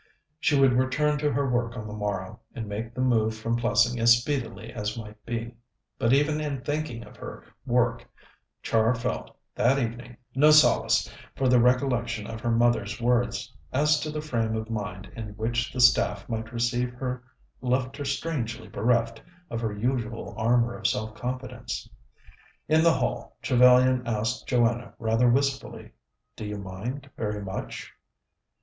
She would return to her work on the morrow, and make the move from Plessing as speedily as might be. But even in thinking of her work Char felt, that evening, no solace, for the recollection of her mother's words as to the frame of mind in which the staff might receive her left her strangely bereft of her usual armour of self confidence. In the hall, Trevellyan asked Joanna rather wistfully: "Do you mind very much?"